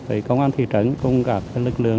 với công an thị trấn cùng cả lực lượng